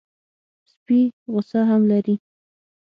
سپي غصه هم لري.